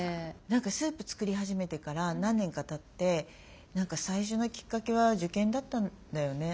何かスープ作り始めてから何年かたって「最初のきっかけは受験だったんだよね。